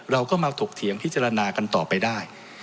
เราก็มาถกเถียงพิจารณากันต่อไปได้